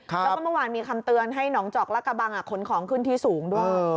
แล้วก็เมื่อวานมีคำเตือนให้หนองจอกและกระบังขนของขึ้นที่สูงด้วย